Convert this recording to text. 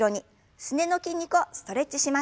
すねの筋肉をストレッチしましょう。